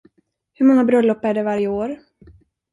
Hur många bröllop är det varje år?